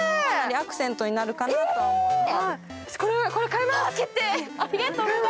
アクセントになるかなと思います。